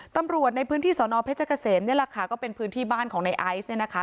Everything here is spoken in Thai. ตำรวจในพื้นที่สอนอเพชรเกษมนี่แหละค่ะก็เป็นพื้นที่บ้านของในไอซ์เนี่ยนะคะ